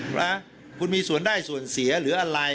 นะคุณมีส่วนได้ส่วนเสียหรืออะไร